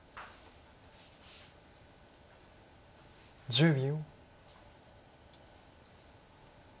１０秒。